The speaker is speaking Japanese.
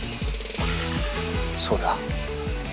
そうだ。